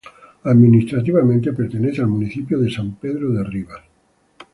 Administrativamente pertenece al municipio de San Pedro de Ribas.